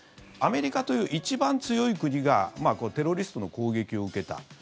アメリカという一番強い国がテロリストの攻撃を受けた。